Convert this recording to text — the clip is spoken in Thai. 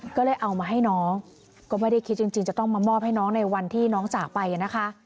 ก็เลยเอามาให้น้องก็ไม่ได้คิดจริงจะต้องมามอบให้น้องในวันที่น้องจากไปนะคะ